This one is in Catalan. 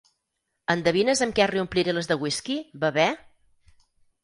¿Endevines amb què reompliré les de whisky, Bebè?